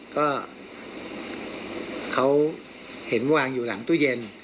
ก็เขาเห็นวางอยู่หลังตู้เย็น